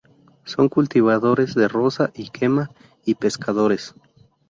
Son cultivadores de roza y quema, y pescadores.